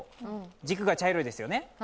軸が茶色いですよね。